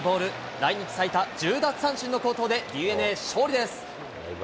来日最多１０奪三振の好投でＤｅＮＡ、勝利です。